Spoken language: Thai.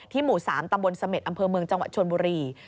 หมู่๓ตำบลเสม็ดอำเภอเมืองจังหวัดชนบุรี